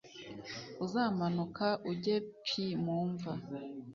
Uzamanuka ujye p mu mva